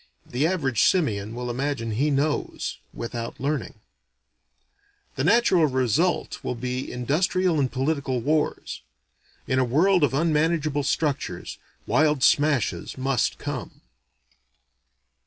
(The average simian will imagine he knows without learning.) The natural result will be industrial and political wars. In a world of unmanageable structures, wild smashes must come.